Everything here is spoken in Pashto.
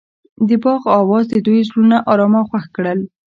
د باغ اواز د دوی زړونه ارامه او خوښ کړل.